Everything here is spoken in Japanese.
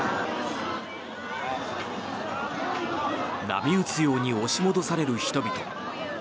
波打つように押し戻される人々。